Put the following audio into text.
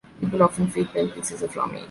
People often feed them pieces of raw meat.